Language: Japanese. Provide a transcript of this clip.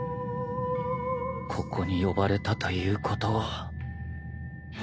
ここに呼ばれたということは